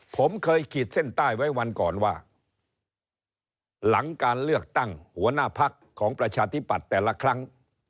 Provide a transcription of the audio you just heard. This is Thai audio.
ผมเคยขีดเส้นใต้ไว้วันก่อนว่าหลังการเลือกตั้งหัวหน้าพักของประชาธิปัตย์แต่ละครั้ง